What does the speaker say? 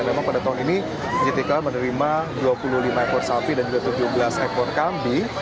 memang pada tahun ini istiqlal menerima dua puluh lima ekor sapi dan juga tujuh belas ekor kambing